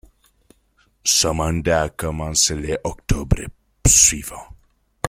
Son mandat commence le octobre suivant.